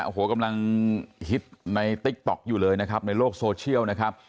โอ้โหกำลังฮิตในติ๊กต๊อกอยู่เลยนะครับในโลกโซเชียลนะครับ